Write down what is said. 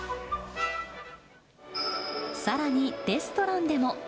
さらに、レストランでも。